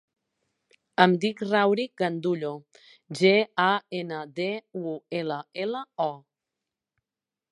Em dic Rauric Gandullo: ge, a, ena, de, u, ela, ela, o.